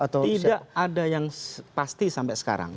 tidak ada yang pasti sampai sekarang